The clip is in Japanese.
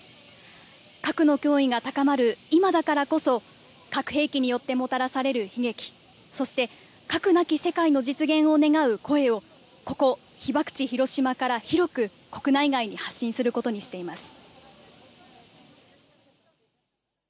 核の脅威が高まる今だからこそ、核兵器によってもたらされる悲劇、そして核なき世界の実現を願う声を、ここ被爆地、広島から広く国内外に発信することにしています。